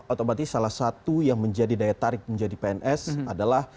otomatis salah satu yang menjadi daya tarik menjadi pns adalah